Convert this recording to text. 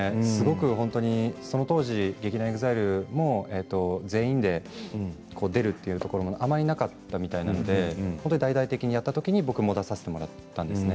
その当時劇団ＥＸＩＬＥの全員で出るというところもあまりなかったみたいなので大々的にやったときに僕も出させてもらったんですね。